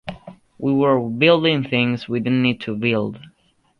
We were building things we didn't need to build.